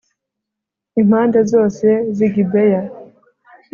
impande zose z i gibeya